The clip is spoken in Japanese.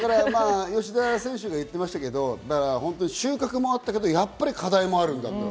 吉田選手が言ってましたけど、収穫もあったけど、課題もあるんだと。